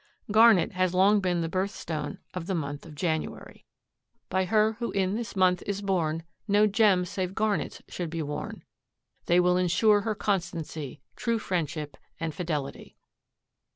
Garnet has long been the birthstone of the month of January. "By her who in this month is born No gems save garnets should be worn. They will insure her constancy, True friendship and fidelity."